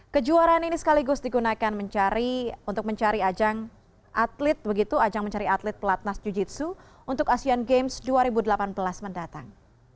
kejuaraan ini sekaligus digunakan untuk mencari ajang atlet pelatnas jujitsu untuk asean games dua ribu delapan belas mendatang